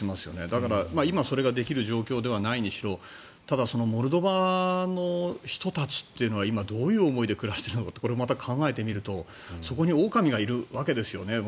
だから、今それができる状況ではないにしろただ、モルドバの人たちは今、どういう思いで暮らしてるのかってまた考えてみるとそこにオオカミがいるわけですよね。